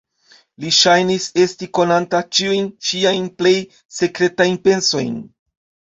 Li ŝajnis esti konanta ĉiujn ŝiajn plej sekretajn pensojn.